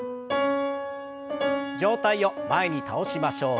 上体を前に倒しましょう。